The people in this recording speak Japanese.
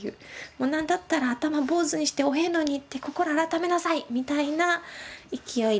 もう何だったら「頭坊主にしてお遍路に行って心改めなさい！」みたいな勢いで。